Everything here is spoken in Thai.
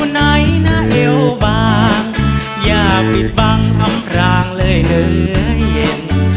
ไหนนะเอวบางอย่าปิดบังอำพรางเลยเหลือเย็น